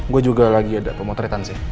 gue juga lagi ada pemotretan sih